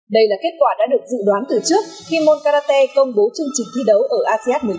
đây là kết quả đã được dự đoán từ trước khi mon karate công bố chương trình thi đấu ở asean một mươi chín